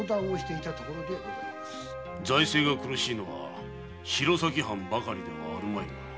財政が苦しいのは弘前藩ばかりではあるまいが。